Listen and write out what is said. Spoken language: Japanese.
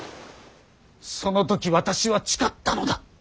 その時私は誓ったのだ。